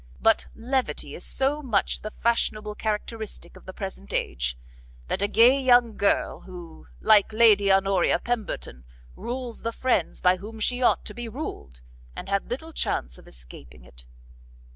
But levity is so much the fashionable characteristic of the present age, that a gay young girl who, like Lady Honoria Pemberton, rules the friends by whom she ought to be ruled, had little chance of escaping it."